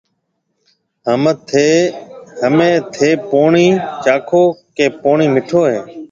همَي ٿَي پوڻِي چاکو ڪِي پوڻِي مِٺو هيَ۔